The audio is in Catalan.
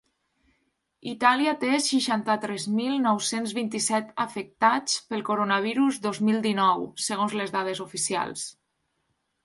Itàlia té seixanta-tres mil nou-cents vint-i-set afectats pel coronavirus dos mil dinou, segons les dades oficials.